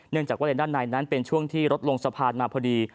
จากว่าเลนด้านในนั้นเป็นช่วงที่รถลงสะพานมาพอดี